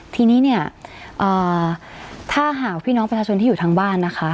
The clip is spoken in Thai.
ทีนี้เนี่ยถ้าหากพี่น้องประชาชนที่อยู่ทางบ้านนะคะ